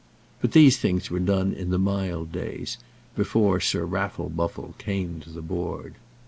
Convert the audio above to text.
But these things were done in the mild days, before Sir Raffle Buffle came to the Board.